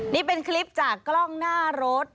นี่เป็นคลิปจากกล้องหน้ารถ